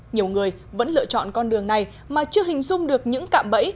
nhiều người vẫn lựa chọn con đường này mà chưa hình dung được những cạm bẫy